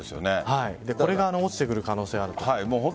これが落ちてくる可能性があると。